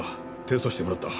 転送してもらった。